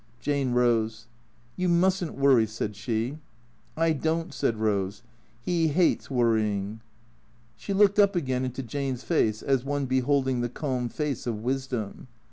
Jane rose. " You must n't worry," said she. " I don't," said Eose. " He hates worryin'." She looked up again into Jane's face as one beholding the calm face of wisdom.